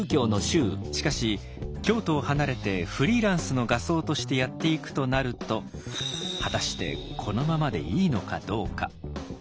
しかし京都を離れてフリーランスの画僧としてやっていくとなると果たしてこのままでいいのかどうか。